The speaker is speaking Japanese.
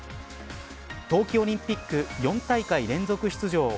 冬季オリンピック４大会連続出場